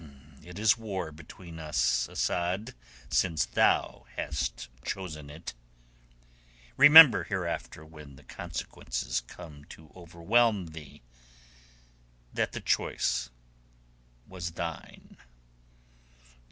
"It is war between us, Asad, since thou hast chosen it. Remember hereafter when the consequences come to overwhelm thee that the choice was thine."